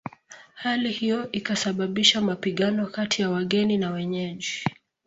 Hali hiyo ikasababisha mapigano kati ya wageni na wenyeji